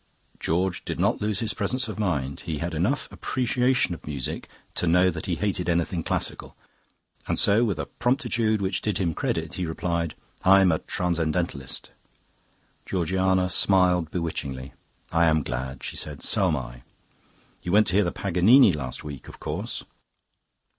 George did not lose his presence of mind. He had enough appreciation of music to know that he hated anything classical, and so, with a promptitude which did him credit, he replied, 'I am a transcendentalist.' Georgiana smiled bewitchingly. 'I am glad,' she said; 'so am I. You went to hear Paganini last week, of course.